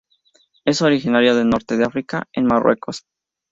Es originaria del Norte de África en Marruecos.